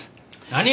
何！？